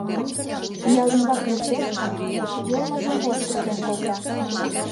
Ял ӱмбак лектеш гын, йылмыжым вошт руден колта.